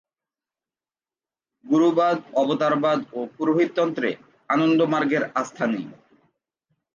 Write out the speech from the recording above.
গুরুবাদ, অবতারবাদ ও পুরোহিততন্ত্রে আনন্দমার্গের আস্থা নেই।